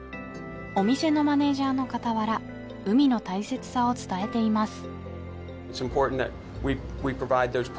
お店のマネージャーの傍ら海の大切さを伝えています